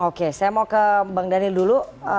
oke saya mau ke bang daniel dulu